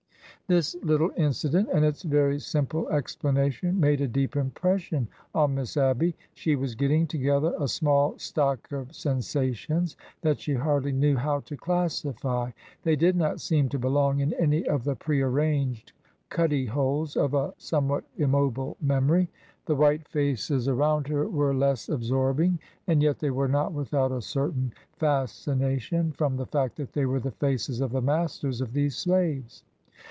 This little incident and its very simple explanation made a deep impression on Miss Abby. She was getting to gether a small stock of sensations that she hardly knew how to classify. They did not seem to belong in any of the prearranged cuddyholes of a somewhat immobile memory. The white faces around her were less absorbing, and yet they were not without a certain fascination from the fact that they were the faces of the masters of these slaves.